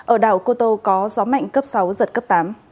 ở đảo cô tô có gió mạnh cấp sáu giật cấp tám